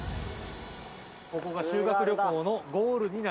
ここが修学旅行のゴールになります。